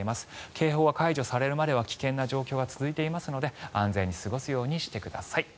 警報は解除されるまでは危険な状態が続いていますので安全に過ごすようにしてください。